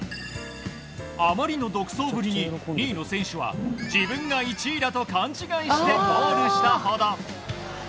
あまりの独走ぶりに２位の選手は自分が１位だと勘違いしてゴールしたほど。